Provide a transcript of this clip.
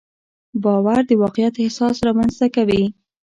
باور د واقعیت احساس رامنځته کوي.